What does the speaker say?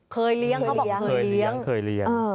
เคยเลี้ยงเคยเลี้ยง